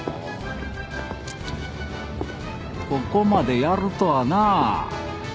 ここまでやるとはなあ。